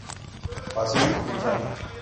Pasión pulsante.